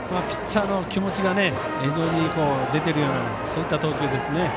ピッチャーの気持ちが非常に出ているようなそういった投球ですね。